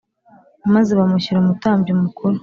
maze bamushyira umutambyi mukuru